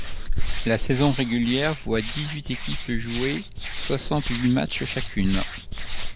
La saison régulière voit dix-huit équipes jouer soixante-huit matchs chacune.